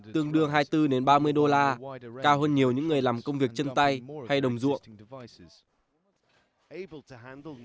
tương đương hai mươi bốn ba mươi đô la cao hơn nhiều những người làm công việc chân tay hay đồng ruộng